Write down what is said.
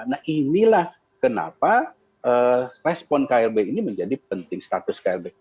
nah inilah kenapa respon klb ini menjadi penting status klb